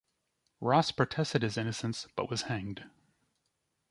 Ross protested his innocence but was hanged.